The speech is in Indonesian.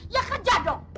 ya kerja dong